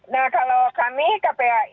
nah kalau kami kpai adalah satu